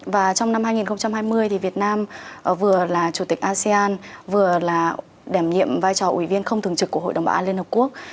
và trong năm hai nghìn hai mươi thì việt nam vừa là chủ tịch asean vừa là đảm nhiệm vai trò ủy viên không thường trực của hội đồng bảo an liên hợp quốc